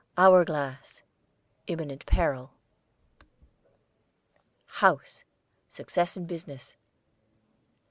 HOUR GLASS, imminent peril. HOUSE, success in business.